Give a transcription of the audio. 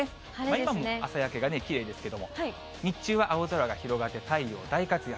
今も朝焼けがきれいですけれども、日中は青空が広がって太陽大活躍。